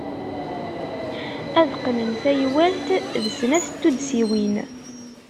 Ad qqnen taywalt d snat n tuddsiwin.